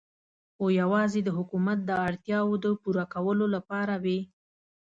خو یوازې د حکومت د اړتیاوو د پوره کولو لپاره وې.